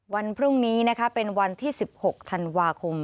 วันพรุ่งนี้เป็นวันที่๑๖ธันวาคม